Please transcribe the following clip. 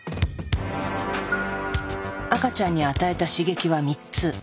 赤ちゃんに与えた刺激は３つ。